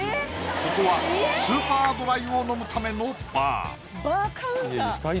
ここはスーパードライを飲むためのバーバーカウンター！